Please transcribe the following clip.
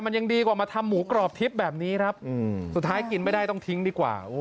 มันยังดีกว่ามาทำหมูกรอบทิพย์แบบนี้ครับสุดท้ายกินไม่ได้ต้องทิ้งดีกว่า